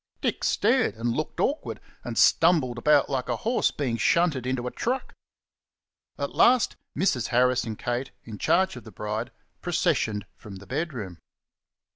Dick stared and looked awkward, and stumbled about like a horse being shunted in a truck. At last Mrs. Harris and Kate, in charge of the bride, processioned from the bedroom.